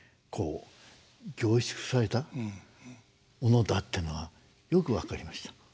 こう凝縮されたものだっていうのはよく分かりました。